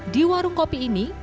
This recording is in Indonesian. di warung kopi ini